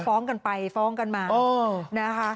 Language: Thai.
ฟ้องกันไปฟ้องกันมานะคะ